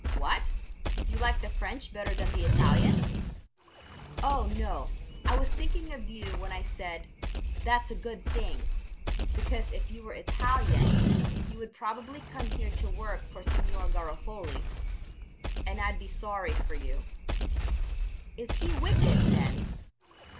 "What! you like the French better than the Italians?" "Oh, no, I was thinking of you when I said 'that's a good thing,' because if you were Italian you would probably come here to work for Signor Garofoli, and I'd be sorry for you." "Is he wicked, then?"